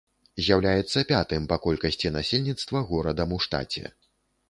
З'яўляецца пятым па колькасці насельніцтва горадам у штаце.